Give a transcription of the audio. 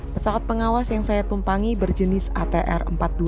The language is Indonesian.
pesawat pengawas yang saya tumpangi berjenis atr empat puluh dua